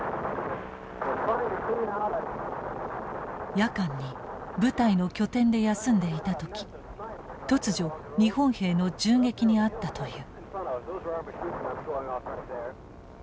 夜間に部隊の拠点で休んでいた時突如日本兵の銃撃に遭ったという。